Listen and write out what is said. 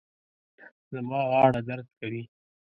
زما غاړه درد کوي